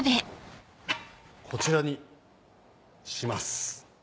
こちらにします。